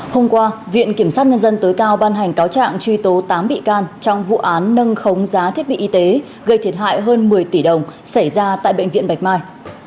hôm qua viện kiểm sát nhân dân tối cao ban hành cáo trạng truy tố tám bị can trong vụ án nâng khống giá thiết bị y tế gây thiệt hại hơn một mươi tỷ đồng xảy ra tại bệnh viện bạch mai